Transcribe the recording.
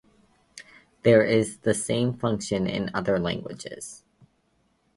There is the same function in other languages.